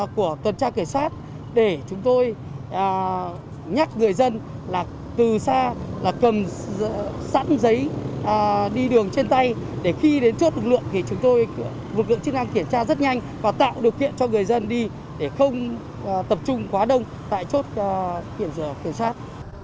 của tuần tra kiểm soát để chúng tôi nhắc người dân là từ xa là cầm sẵn giấy đi đường trên tay để khi đến chốt lực lượng thì chúng tôi lực lượng chức năng kiểm tra rất nhanh và tạo điều kiện cho người dân đi để không tập trung quá đông tại chốt kiểm giờ kiểm soát